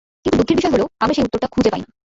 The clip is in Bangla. কিন্তু দুঃখের বিষয় হলো, আমরা সেই উত্তরটা খুঁজে পাইনা।